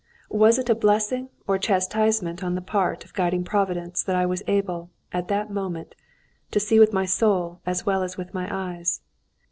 Was it a blessing or a chastisement on the part of guiding Providence that I was able, at that moment, to see with my soul as well as with my eyes?